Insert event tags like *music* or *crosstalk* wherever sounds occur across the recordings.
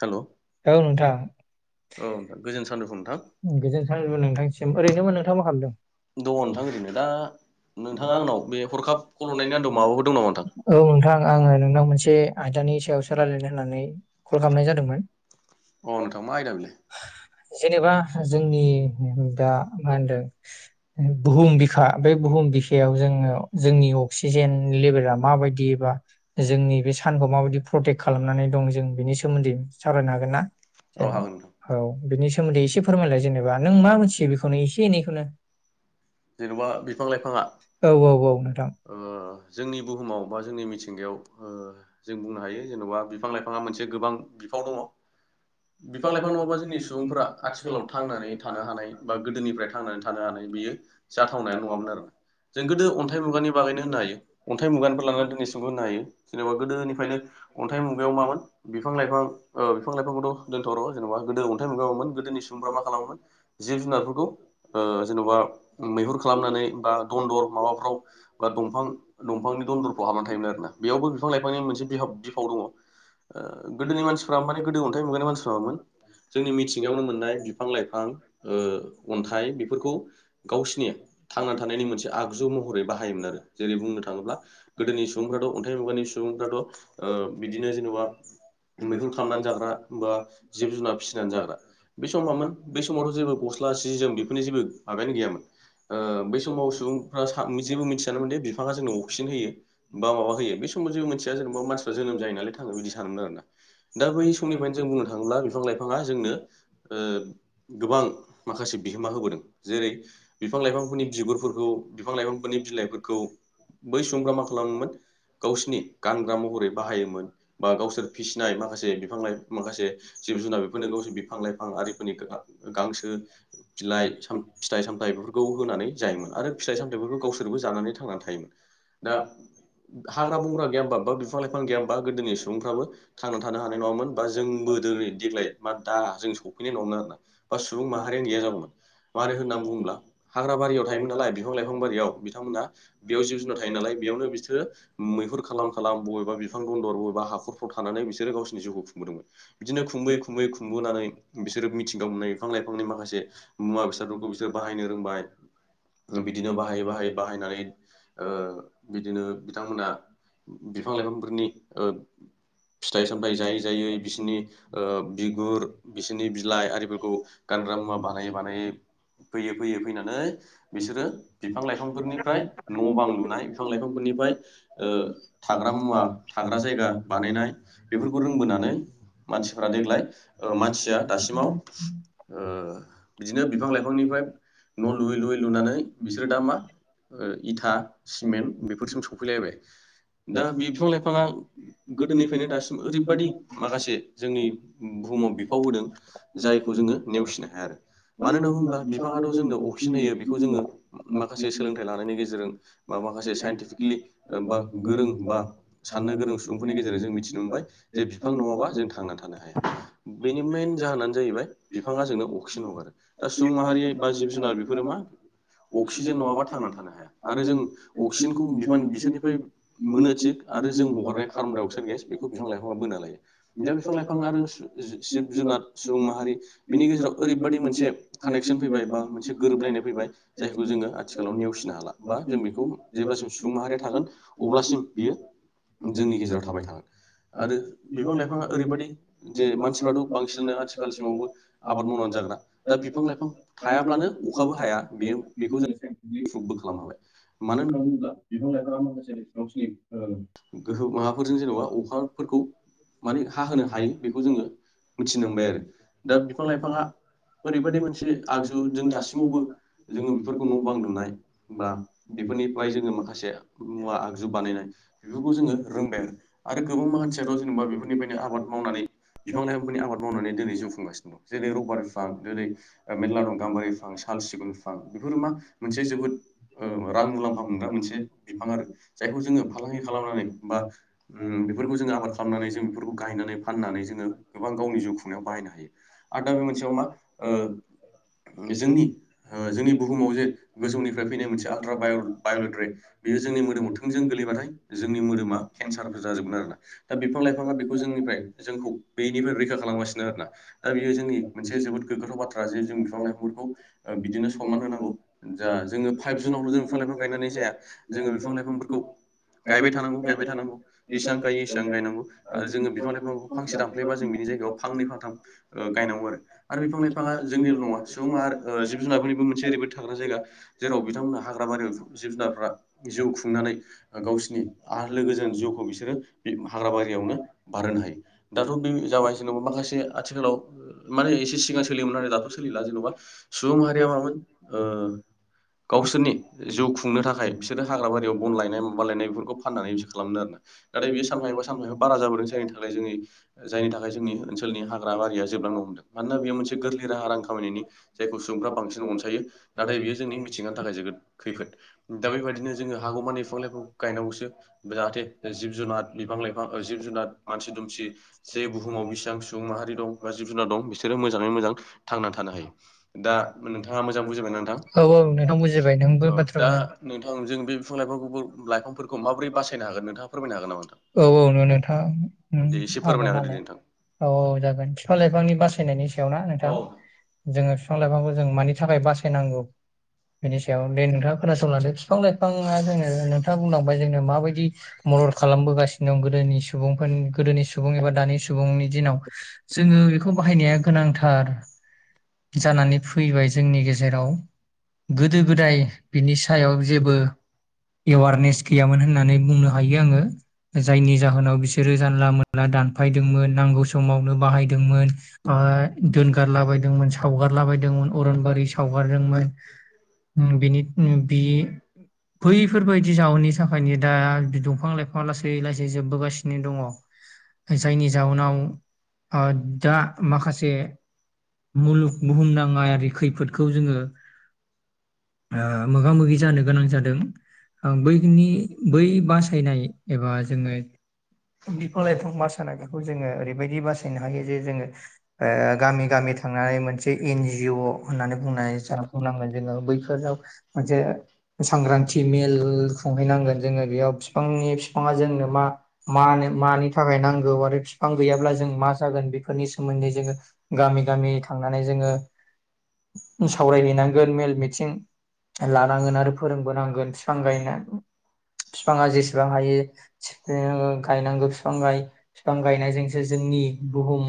हेल' औ औ नोंथां नोंथां गोजोन सानजौफु नोंथां गोजोन सानजौफु नोंथांनिसिम। ओरैनो नोंथां मा खालामदों? दङ नोंथां ओरैनो दा नोंथाङा आंनाव बे हरखाब कल हरनायनि आन्दोआव माबाफोर दं नामा नोंथां औ नोंथां आङो नोंनाव मोनसे आयदानि सायावसो रायलायनो होननानै कल खालामनाय जादोंमोन। अ नोंथां मा आयदा बेलाय जेनेबा जोंनि दा मा होनदों बुहुम बिखा बे बुहुम बिखायाव जोङो जोंनि अक्सिजेन लेभेला माबायदि एबा जोंनि बे सानखौ माबायदि प्रटेक्ट खालामनानै दं जों बेनि सोमोन्दै सावरायनो हागोनना? औ हागोन नोंथां औ बिनि सोमोन्दै एसे फोरमायलाय जेनेबा नों मा मिथियो बेखौनो एसे एनैखौनो। जेनबा बिफां-लाइफाङा औ औ औ नोंथां ओ जोंनि बुहुमाव बा जोंनि मिथिंगायाव ओ जों बुंनो हायो जेनबा बिफां-लाइफाङा मोनसे गोबां बिफाव दङ बिफां बिफां-लाइफां लाइफां नङाबा जोंनि सुबुंफोरा आथिखालाव थांनानै थानो हानाय बा गोदोनिफ्राय थांनानै थानो हानाय बियो जाथावनाया नङामोन बिदिनो आरोना जों गोदो अन्थाइ मुगानि बाहायो बागैनो होनो बिदिनो हायो अन्थाइ मुगानिफोर लानानै दिनैसिमखौ होनो हायो। गोदोनिफ्रायनो अन्थाइ मुगायाव मामोन बिफां-लाइफां बिफां-लाइफांखौथ' दोन्थ'र' जेन'बा गोदो अन्थाइ मुगायावोन गोदोनि सुबुंफ्रा मा खालामोमोन जिब जुनारफोरखौ जेन'बा मैहुर खालामनानै बा दनन्दर माबाफ्राव बा दंफां-दंफांनि दनन्दरफ्राव हाबनानै थायोमोन आरोना बेयावबो बिफां बिनि मोनसे बि बिफाव दङ गोदोनि मानसिफ माने गोदो अन्थाइ मुगानि मानसिफ्रा मामोन जोंनि मिथिंगायावनो बिफां मोननाय लाइफां बिफां-लाइफां अन्थाइ बेफोरखौ गावसिनि थांना थानायनि मोनसे आगजु महरै बाहायोमोन आरो जेरै बुंनो थाङोब्ला गोदोनि सुबुंफ्राथ' अन्थाइ मुगानि गायनाय सुबुं बिदिनो जेनबा मैहुर खामनानै जाग्रा एबा जिब-जुनार फिसिना जाग्रा बे समाव मामोन बे समावथ' गसल्ला सि जीम ग बे समाव सुबुंफ्रा जेबी मिथियामीन जे जोंनो बिफांआ अक्सि होयी बा माबा होयी समाव मोनानसिया जेनेबा मानसिफ्रा जोनोम जायो नालाय थाङो बिदि सानोमोन आरोना दा बै समनिफ्रायनो जों बुंनो थाङोब्ला बिफां-लाइफाङा जोंनो गोबां माखासे बिहोमा होबोदों। जेरै बिफां-लाइफांफोरनि बिगुरफोरखौ बिफां लाइफांफोरनि बिलाइफोरखौ बै सुबुंफ्रा मा खालामोमोन गावसोरनि गानग्रा महरै बाहायोमोन बा गावसोर फिसिनाय माखासे बिफां लाइ माखासे जिब-जुनार बेफोरनो गावसोर बिफां-लाइफां आरिफोरनि गांसो बिलाइ फिथाइ सामथायाइ बेफोरखौ होनानै जायोमोन आरो फिथाइ सामथायफोरखौ गावसोरबो जानानै थांनानै थायोमोन दा हाग्रा बंग्रा गैयामा बा बिफां लाइफां गैयामबा गोदोनि सुबुंफ्राबो थांना थानो हानाय नङामोन बा जोंबो दिनै देग्लाय मा दा जों सफैनाय नङामोन आरोना बा सुबुं माहारियानो गैया जागौमोन मानो होन्नानै बुङोब्ला हाग्रा बारियाव थायोमोन नालाय बिफां लाइफां बारियाव बिथांमोनहा बेयाव जिब-जुनार थायोनालाय बेयावनो बिसोरो खालाम बबेबा बिफां दन्दर बबेबा हाखरफ्राव थानानै बिसोरो गावसिनि जिउखौ खुंबोदोंमोन बिदिनो खुंबोै खुंबीयै खुंबोनानै बिसोरो मिथिंगा मोननाय बिफां लाइफांनि माखासे मुवा बेस फोरखौ बिसोर बाहायनो रोंबाय बिदिनो बाहायै बाहायै बाहायनानै बिदिनो बिफां लाइफांफोरनि फिथाइ सामथायाइ जायै जायै बिसोरनि बिगुर बिसोरनि बिलाइ आरिफोरखौ गानग्रा मुवा बानायै बानायै फैयै-फैयै फैनानै बिसोरो बिफां लाइफांफोरनिफ्राय न' बां लुनाय बिफां-लाइफांफोरनिफ्राय थाग्रा मुवा थाग्रा जायगा बानायनाय बेफोरखौ रोंबोनानै मानसिफ देग्लाय मानसिया दासिमाव बिदिनो बिफां लाइफांनिफ्राय न' लुयै लुयै लुनानै बिसोरो दा मा इथा सिमेन्ट बेफोरसम स खफैलायबाय दा बे बिफां लाइफाङा गोदोनिफ्रायनो दासिम ओरैबाददि माखासे जोंनि बुहुमाव बिफाव होदों जायखौ जोङो नेवसिनो हाया आरो मानो होनना बुङोब्ला बिफाङाथ' जोंनो अक्सिजेन होयो बेखौ जोङो माखासे सोलोंथाइ लानायनि गेजेरजों बा माखासे साइन्टिफिक बा गोरों बा साननो गोरों सुबुंफोरनि गेजेरजों जों मिथिनो मोनबाय जे बिफां नङाबा मोनबाय जों थांनानै थानो हाया बेनि मेन जाहोनानो जाहैबाय जे बिफां बिफाङा जोंनो अक्सिजन हगारो दा सुबुं माहारि बा जिब जुनार बेफोरो अक्सिजेन नङाबा थांनानै थानो हाया आरो जों अक्सिजेनखौ बिसोरनिफ्राय मोनो थिग आरो जों हगारनाय कार्बन दडाइ अक्साइद गेसखौ बिफां-लाइफाङा बोना लायो। दा बिफां-लाइफां आरो जिब -जुनार सुबुं माहारि बिनि गेजेराव ओरैबायादि मोनसे कानेकसन फैबाय नङा बा मोनसे गोरोबलायनाय फैबाय जायखौ जोङो आथिखालाव नेवसिनो हाला बा जों बेखौ जेब्लासिम स सुबुं माहारिया थागोन अब्लासिम खमायो बियो जोंनि गेजेराव थाबाय थागोन आरो बिफां लाइफाङा ओरैबायदि जे मानसिफ्राथ' बांसिनानो आथिखालसिमावबो आबाद मावनानै जाग्रा बिफां- लाइफां थायाब्लानो अखाबो हाया बेयो बेखौ जों इफुबबो खालामनो हाबाय मानो होन *unintelligible* *unintelligible* गोहो माबाफोरजों जेनेबा अखाफोरखौ माने हा होनो हायो बेखौ जोङो मिथिनो मोनबाय आरो दा बिफां लाइफाङा ओरैबायदि मोनसे आगजु जों दासिमावबो जोङो बेफोरखौ न' बां लुनाय बा बेफोरनिफ्राय जोङो माखासे मुवा आगजु बानायनाय बेफोरखौ जोङो रोंबाय आरो आरो गोबां मानसियाथ' जेनेबा बेफोरनिफ्रायनो आबाद मावनानै बिफां लाइफांफोरनि आबाद मावनानै दिनै जौफुंगासिनो दं जेरै रबारि बिफां जेरै मेर्ला मेरला दं गाम्बारि ओमफ्राय बिफां साल सिगुन बिफां बेफोरो मा मोनसे जोबोद रां ओ मुलाम्फा मोनग्रा मोनसे बिफां आरो जायखौ जोङो फालांगि *unintelligible* खालामनानै बा ओम बेफोरखौ जों आबाद खालामनानै जों बेफोरखौ गायनानै फाननानै जोङो गोबां गावनि जिउ खुंनायाव बाहायनो हायो आरो दा बे मोनसेयाव मा ओ जोंनि जोंनि बुहुमाव जे गोजौनिफ्राय फैनाय मोनसे आल्ट्रा बाय बायलेट रे- बेयो जोंनि मोदोमाव थोंजों गोलैबाथाय *unintelligible* जोंनि मोदोमा केन्सारफोर जाजोबगोन आरोना। दा बिफां लाइफाङा बेखौ जोंनिफ्राय जोंखौ बेनिफ्राय रैखा खालामगासिनो आरोना। दा बियो जोंनि मोनसे जोबोद गोग्गाथाव बाथ्रा जे जों बिफां लाइफांफोरखौ बिदिनो सनमान होनांगौ जा जोङो फाइभ जुनावल' जों बिफां लाइफां गायनानै जाया जों जोङो बिफां बिफांफोरखौ लाइफांफोरखौ गायबाय थानांगौ, गायबाय थानांगौ गायनांगौ जेसेबां सानफा गायो सानफा इसेबां गायनांगौ आरो जोङो बिफां बिफांखौ लाइफांखौ फांसे दानफायबा जों बिनि जायगायाव फांनै फांथाम गायनांगौ आरो बिफां लाइफाङा जोंनिल' नङा सुबुं आरो जिब जुनारफोरनिबो मोनसे ओरैबायदि थाग्रा जायगा जेराव बिथांमोनहा हाग्रा बारियाव जिब जुनारफ्रा जिउ खुंनानै गावसोरनि गावसिनि आं आरो लोगोजों जिउखौ लोगोफोरखौ बिसोरो बे हाग्रा बारियावनो हाग्राबारियावनो बारहोनो हायो बानायनाय दाथ' बे जाबाय जेनेबा माखासे आथिखालाव माने एसे सिगां सोलियोमोन आरो दाथ' सोलिला जेन'बा सुबुं माहारिया मामोन ओ गावसोरनि जिउ खुंनो थाखाय बिदिनो हाग्राबारियाव बन लायनाय लायनायाव बन बा लायनायफोरखौ फाननानै बिसोर खालामदों आरो ना नाथाय बेयो सानफा एफा सानफा एफा बारा जाबोदों जायनि थाखाय एफा जोंनि जायनि थाखाय जोंनि ओनसोलनि हाग्रा बारिया जोबलांनो हमदों औ मानोना बेयो मोनसे गोरलै राहा रां खामायनायनि जायखौ सुबुंफ्रा बांसिन अनसायो नाथाय बेयो जोंनि मिथिंगानि थाखाय जोबोद खैफोद दा बे बिदिनो जोङो हौगौमानि बिफां लाइफांखौ गायनांगौसो जाहाथे जिब जुनार बिफां लाइफां जिब जुनार मानसि दुमसि जे बुहुमाव बेसेबां सुबुं माहारि दं बा जिब जुनार दं बिसोरो मोजाङै मोजां थांनानै थानो हायो। दा नोंथाङा मोजां बुजिबाय नोंथां औ नोंथां बुजिबाय नोंबो औ दा नोंथां जों बे बिफां लाइफांखौबो बिफां-लाइफांखौ लाइफांफोरखौ माबोरै बासायनो हागोन। बिनि नोंथाङा फोरमायनो हागोन नामा नोंथां? सायाव। औ -औ नोंथां दे एसे हागोन फोरमायना होदो आनो दे नोंथां। औ औ जागोन बिफां लाइफांनि बासायनायनि सायावना नोंथां जोङो बिफां- लाइफांखौ जों मानि थाखाय बासायनांगौ बेनि सायाव दे नोंथाङा खोनासंलादो। फिफां लाइफाङा जोंनो नोंथां बुंलांबाय जोंनो माबायदि मदद खालामबोगासिनो दं गोदोनि सुबुंफोरनि गोदोनि सुबुं एबा दानि सुबुंनि दिनाव जोङो बेखौ बाहायनाया गोनांथार जानानै फैबाय जोंनि गेजेराव गोदो गोदाय बिनि सायाव जेबो एवारनेस गैयामोन होननानै बुंनो हायो आङो जायनि जाहोनाव बिसोरो जानला मानला दानफायदोंमोन नांगौ समावनो बाहायदोंमोन ओ दोनगारलाबायदोंमोन सावगारला बदोंमोन अरनबारि सावगारदोंमोन बेनि बि बैफोरबायदि जाउनि थाखायनो दा बिद दफां लाइफांआ लासै लासै जोब्बो गासिनो दङ जायनि जाउनाव दा माखासे मुलुग बुुहुमनाङारि खैफोदखौ जोङो ओ मोगा मोगि जानो गोनां जादों ओ बै जोंनि बै बा साइ फैनाय एबा जोङो बिफां लाइफां बासानाय बेखौ जोङो ओरैबायदि बासायनो हायो जे जोङो ओ गामि गामि थांनानै मोनसे एन जि अ होननानै बुंनाय *unintelligible* जोङो बैफोराव मोनसे सांग्रांथि मेल खुंहैनांगोन जोङो बेयाव फिफा फिफाङा जोंनो मा मानो मानि थाखाय नांगौ आरो फिफां गैयाब्ला जों मा जागोन बेफोरनि सोमोन्दै जोङो गामि गामि थांनानै जोङो सावरायहैनांगोन मेल मिथिं लानांगोन आरो रोंबो नांगोन बिफां गायनो फिफाङा जेसेबां *unintelligible* गायनांगौ फिफां गाय फिफां गायनायजोंसो जोंनि बुहुम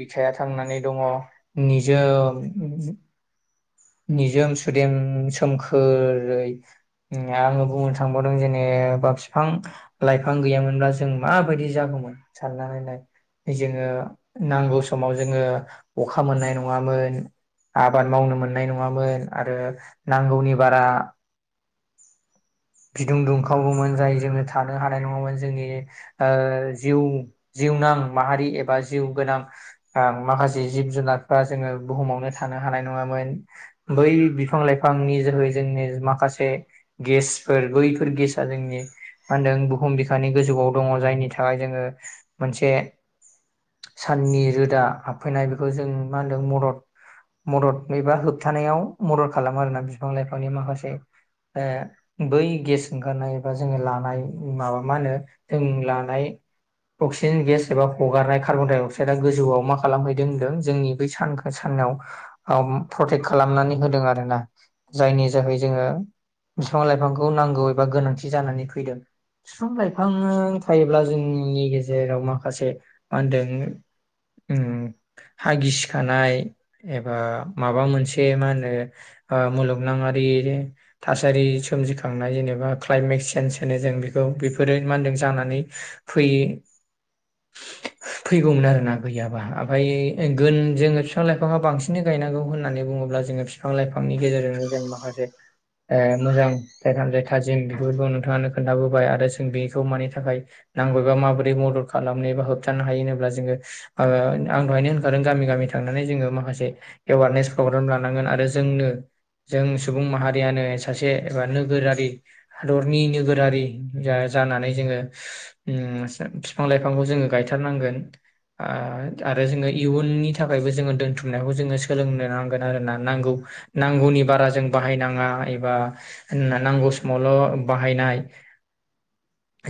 बिखाया थांनानै दङ निजोम निजोम सुदेम सोमखोरै आङो बुंनो थांबावदों जेनेबा फिफां फां लाइफां गैयामोनब्ला जों माबायदि जागौमोन साननानैनाय जोङो नांगौ समाव जोङो अखा मोननाय नङामोन आबाद मावनो मोन मोन आरो नांगौनि बारा बिदुं दुंखावोमोन जाय जोंनो थानो हानाय नङामोन जोंनि ओ जिउ जिउनां माहारि एबा जिउ गोनां आ माखासे जिब जुनारफ्रा जोङो बुहुमावनो थानो हानाय नङामोन बै बिफां लाइफांनि जोहै जोंनि माखासे गेस फोर बैफोर गेसा जोंनि मा होन्दों बुहुम बिखानि गोजौआव दङ जायनि थाखाय जोङो मोनसे साननि रोदा हाबफैनाय बेखौ जों मा होनदों मदद मदद एबा होबथानायाव मदद खालामो आरोना बिफां लाइफांनि माखासे ओ बै गेस ओंखारनाय एबा जोङो लानाय माबा मा होनो जों लानाय अक्सिजेन गेस एबा हगारनाय कार्बनडाइ अक्साइदआ गोजौआव मा खालामहैदों होनदों जोंनि बै सानखो सानाव प्रटेक्ट खालामनानै होदों आरोना जायनि जोहै जोङो बिफां लाइफांखौ नांगौ एबा गोनांथि जानानै फै फिफां लाइफां थायोब्ला जोंनि गेजेराव माखासे मा होनदों ओ हागिसिखानाय एबा माबा मोनसे मा होनो ओ मुलुगनाङारि थासारि सोमजिखांनाय जेनेबा क्लाइमेत चेन्ज नो जों बेखौ बेफोरो मा होनदों जानानै फै फैगौमोन आरोना गैयाबा ओमफ्राय गोन जोङो बिफां लाइफाङा बांसिन गायनांगौ होननानै बुङोब्ला जोङो बिफां लाइफांनि गेजेरजोंनो जों माखासे ओ मोजां *unintelligible* थाजिम बेफोरखौ नोंथांङानो खोन्थाबोबाय आरो जों बेखौ मानि थाखाय नांगौ बा माबोरै मदद खालामनो बा होबथानो हायो होनोब्ला जोङो आङो आं दहायनो होनखादों गामि गामि थांनानै जोङो माखासे एवारनेस प्रग्राम लानांगोन आरो जोंनो जों सुबुं माहारियानो सासे एबा नोगोरारि हादरनि नो गोरारि जा जानानै जोङो उम फिफां लाइफांखौ जोङो गायथारनांगोन आ आरो जोङो इयुननि थाखायबो जोङो दोनथुमनायखौ जोङो सोलोंनो नांगोन आरोना नांगौ नांगौनि बारा जों बाहायनाङा एबा होन्ना नांगौ समावल' बाहायनाय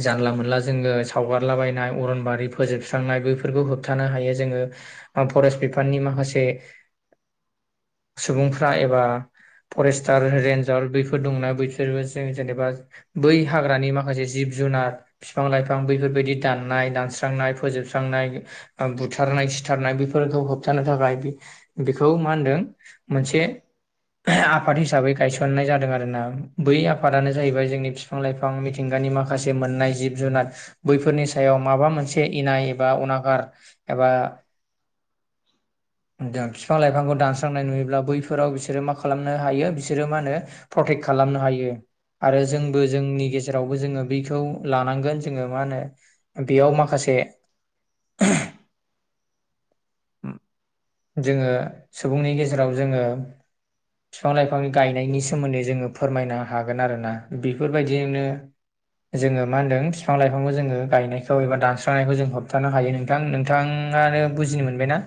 जानला मोनला जोङो सावगारलाबायनाय अरनबारि फोजोबस्रांनाय बैफोरखौ होबथानो हायो जोङो फरेस्ट बिफाननि माखासे सुबुंफ्रा एबा फरेस्टार रेन्जार बैफ ना बैसोरबोस जों जेनेबा हाग्रानि माखासे जिब जुनार फिफां लाइफां बैफोरबायाददि दाननाय दानस्रांनाय फोजोबस्रांनाय ओ बुथारनाय सिथारनाय बेफोरखौ होबथानो थाखाय बेखौ मा होनदों मोनसे *unintelligible* आफाद हिसाबै गायसननाय जादों आरो। गोनां बै आफादानो जाहैबाय जोंनि फिफां बिफां लाइफां मिथिंगानि माखासे मोननाय जिब जुनार बैफोरनि सायाव माबा मोनसे इनाय एबा अनागार एबा बिफां लाइफांखौ दानस्रांनाय नुयोब्ला बैफोराव बिसोरो मा खालामनो हायो बिसोरो मा होनो प्रटेक्ट खालामनो हायो आरो जोंबो जों गेजेरावबो जोङो बैखौ लानांगोन जोङो मा होनो बेयाव माखासे *unintelligible* उम जोङो सुबुंनि गेजेराव जोङो फिफां लाइफांनि गायनायनि सोमोन्दै जोङो फोरमायनो हागोन आरोना बेफोरबायदिनो जोङो मा होनदों फिफां लाइफांखौ जोङो गायनायखौ एबा दानस्रांनायखौ जों होबथानो हायो नोंथां नोंथाङानो बुजिनो मोनबायना?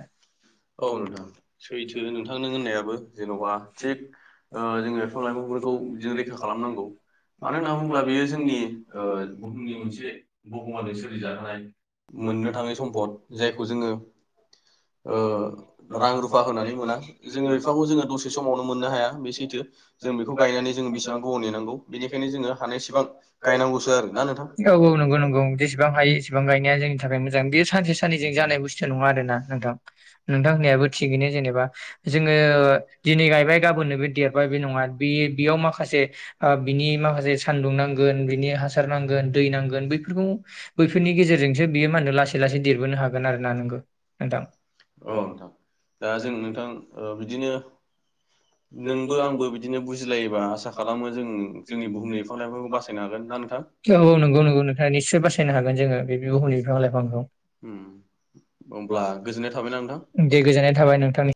औ नोंथां सैथो नोंथां नों होननायाबो जेन'बा थि थिग ओ जोङो बिफां लाइखांफोरखौ बिदिजों रैखा खालामनांगौ मानो होनना बुंबा बियो जोंनि बुहुमनि मोनसे बुहुमानो सोलिजाहोनाय मोननो थाङै सम्फद जायखौ जोङो ओ रां रुफा होनानै मोना जोङो बेफोरखौ बिफांखौ जोङो दसे *unintelligible* औ स' गायनानै जों बेसेबां गोबाव नेनांगौ बेनिखायनो जोङो हानायसेबां गायनांगौसो आरो ना नोंथां औ नंगौ नंगौ जेसेबां हायो एसेबां गायनाया जोंनि थाखाय जां बेयो सानसे साननजों जानाय बुस्थु नङा आरोना नोंथां नोंथां होननायाबो थिगैनो जेनेबा जोङो दिनै गायबाय गाबोननो बे देरबाय बे नङा बे बेयाव माखासे ओ बिनि माखासे सानदुं नांगोन बिनि हासार नांगोन दै नांगोन बैफोरखौ बैफोरनि गेजेरजोंसो बियो मा होनो लासै लासै देरबोनो हागोन आरो ना नोंगौ नोंथां अ औ नोंथां औ दा जों नोंथां ओ बिदिनो नोंबो आंबो बिदिनो बुजिलायोबा आसा खालामो जों जोंनि बुहुमनि बिफां लायफांखौ बासायनो हागोन ना नोंथां औ औ नोंगौ नोंगौ नोंथां निस्सय बासायनो हागोन जोङो बे बुहुमनि बिफां लायफां फांखौ उम अब्ला गोजोननाय थाबायना नोंथां। दे गोजोननाय थाबाय नोंथांनि